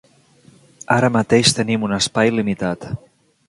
Ara mateix tenim un espai limitat.